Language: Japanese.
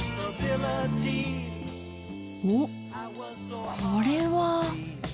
お⁉これは。